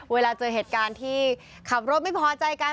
เวลาเจอเหตุการณ์ที่ขับรถไม่พอใจกัน